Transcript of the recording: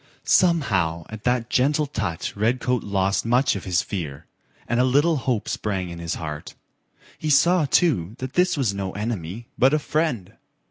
Somehow at that gentle touch Redcoat lost much of his fear, and a little hope sprang in his heart. He saw, too, this was no enemy, but a friend.